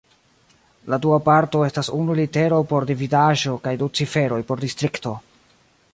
La dua parto estas unu litero por dividaĵo kaj du ciferoj por distrikto.